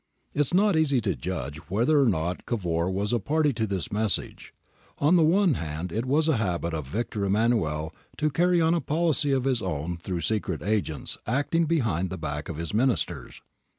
It is not easy to judge whether or not Cavour was a party to this message. On the one hand it was a habit of Victor Emmanuel to carry on a policy of his own through secret agents acting behind the back of his Ministers.